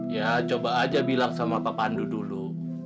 ya coba aja bilang sama pak pandu dulu